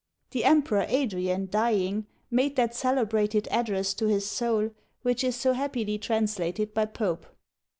The Emperor Adrian, dying, made that celebrated address to his soul, which is so happily translated by Pope.